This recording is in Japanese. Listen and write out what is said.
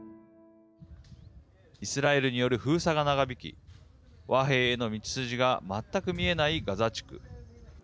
イスラエルによる封鎖が長引き和平への道筋が全く見えないガザ地区。